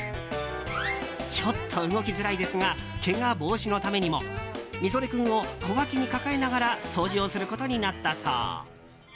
ちょっと動きづらいですがけが防止のためにもミゾレ君を小脇に抱えながら掃除をすることになったそう。